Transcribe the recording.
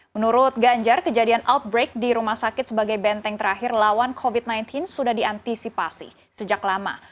menurut ganjar kejadian outbreak di rumah sakit sebagai benteng terakhir lawan covid sembilan belas sudah diantisipasi sejak lama